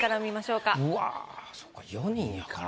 うわそっか４人やから。